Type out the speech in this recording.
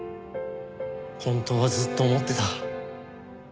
本当はずっと思ってた。